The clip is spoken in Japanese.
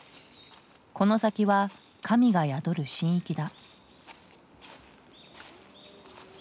この先は神が宿る神域だ。